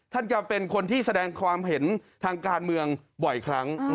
จะเป็นคนที่แสดงความเห็นทางการเมืองบ่อยครั้ง